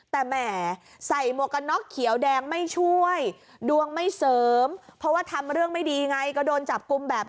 แต่แหมใส่มวกกะน็อกเขียวแดงไม่ช่วย